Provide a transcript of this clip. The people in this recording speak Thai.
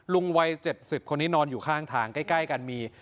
ลุงวัยเจ็ดสิบคนนี้นอนอยู่ข้างทางใกล้ใกล้กันมี